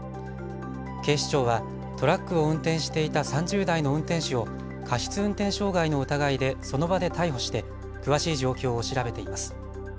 警視庁はトラックを運転していた３０代の運転手を過失運転傷害の疑いでその場で逮捕して詳しい状況を調べています。